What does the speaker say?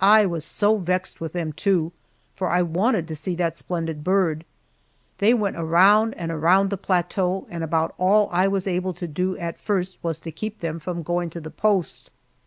I was so vexed with them, too, for I wanted to see that splendid bird. They went around and around the plateau, and about all I was able to do at first was to keep them from going to the post.